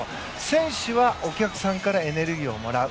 選手はお客さんからエネルギーをもらう。